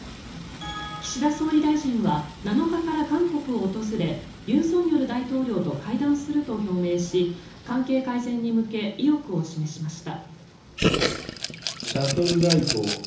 岸田総理大臣は７日から韓国を訪れ尹錫悦と会談すると表明し関係改善に向け意欲を示しました。